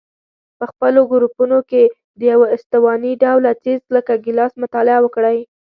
په خپلو ګروپونو کې د یوه استواني ډوله څیز لکه ګیلاس مطالعه وکړئ.